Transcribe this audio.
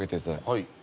はい。